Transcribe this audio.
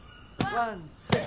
ワンツー！